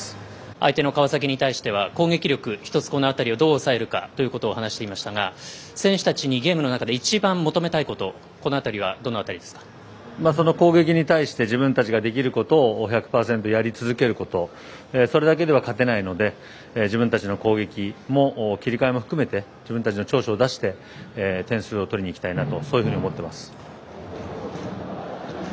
相手の川崎に対しては攻撃力、一つ、この辺りをどう抑えるかということを話していましたが選手たちにゲームの中で一番求めたいこと攻撃に対して自分たちができることを１００％やり続けることそれだけでは勝てないので自分たちの攻撃も切り替えも含めて自分たちの長所を出して点数を取りにいきたいなとそういうふうに思っています。